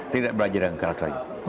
tidak belajar dengan karakter lagi